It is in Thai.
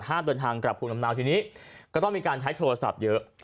เดินทางกลับภูมิลำเนาทีนี้ก็ต้องมีการใช้โทรศัพท์เยอะ